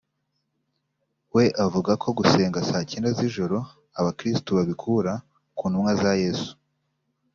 we avuga ko gusenga saa cyenda z’ijoro abakirisito babikura ku ntumwa za Yesu